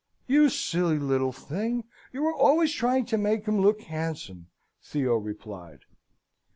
"You silly little thing, you are always trying to make him look handsome," Theo replied.